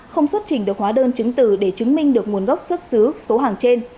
không xuất trình được hóa đơn chứng từ để chứng minh được nguồn gốc xuất xứ số hàng trên